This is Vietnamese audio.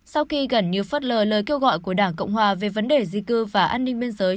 sau khi gần như phớt lờ lời kêu gọi của đảng cộng hòa về vấn đề di cư và an ninh biên giới